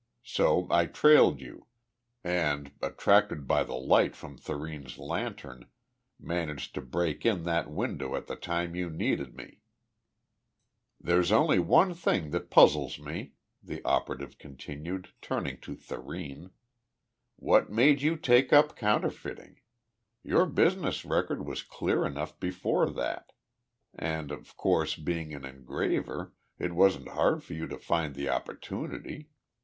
"So I trailed you, and, attracted by the light from Thurene's lantern, managed to break in that window at the time you needed me." "There's only one thing that puzzles me," the operative continued, turning to Thurene. "What made you take up counterfeiting? Your business record was clear enough before that, and, of course, being an engraver, it wasn't hard for you to find the opportunity.